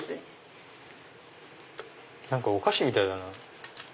何かお菓子みたいだな。